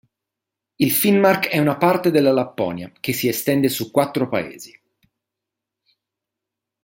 Il Finnmark è una parte della Lapponia, che si estende su quattro paesi.